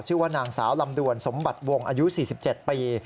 ชื่อว่านางสาวลำดวนสมบัติวงอายุ๔๗ปี